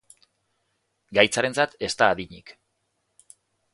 Gaitzarentzat ez da adinik.